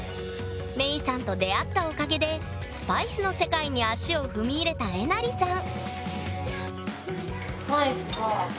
メイさんと出会ったおかげでスパイスの世界に足を踏み入れたえなりさん